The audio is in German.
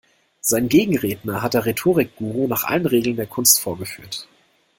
Seinen Gegenredner hat der Rhetorik-Guru nach allen Regeln der Kunst vorgeführt.